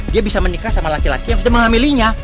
dia bisa menikah sama laki laki yang sudah menghamilinya